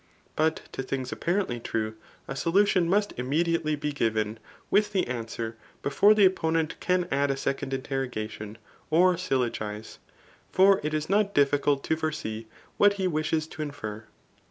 But to things apparently true, a solution must immediateiy be given with the answer, before the opponent can add a second interrogation, or syllogize. For it is not diffi cult to foresee what he wishes to infer.